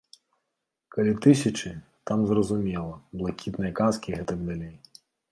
Калі тысячы, там зразумела, блакітныя каскі і гэтак далей.